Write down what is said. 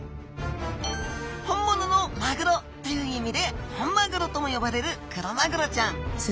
本物のマグロという意味で本まぐろとも呼ばれるクロマグロちゃん。